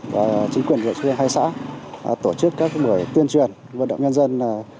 và chính quyền đội truyền hai xã tổ chức các buổi tuyên truyền vận động nhân dân